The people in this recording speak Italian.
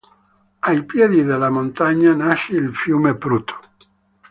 Ai piedi della montagna nasce il fiume Prut.